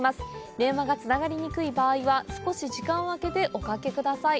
電話がつながりにくい場合は少し時間を空けておかけください。